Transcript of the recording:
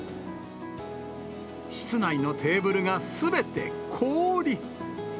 室内のテーブルがすべて氷。